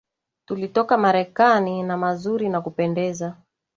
Tulitoka Marekani na mazuri za kupendeza